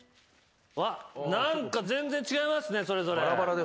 何か全然違いますねそれぞれ。